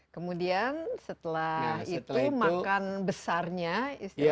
kemudian setelah itu makan besarnya istilahnya itu berapa jam